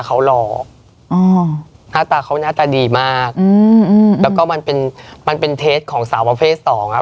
เพราะว่าสื่อโซเชียลมันยังไม่เยอะขนาดนี้